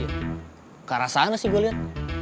ke arah sana sih gue lihat